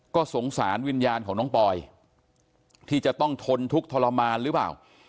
ก็สงสารวิญญาณของน้องปอยที่จะต้องทนทุกข์ทรมานหรือเปล่า